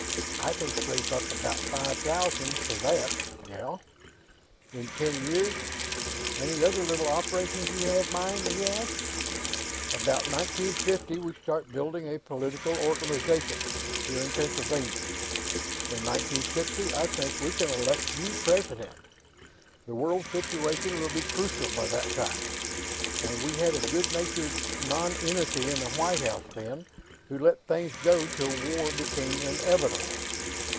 "I can scrape up about five thousand for that Yes; in ten years Any other little operations you have in mind?" he asked. "About 1950, we start building a political organization, here in Pennsylvania. In 1960, I think we can elect you President. The world situation will be crucial, by that time, and we had a good natured nonentity in the White House then, who let things go till war became inevitable.